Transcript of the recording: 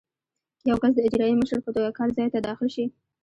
که یو کس د اجرایي مشر په توګه کار ځای ته داخل شي.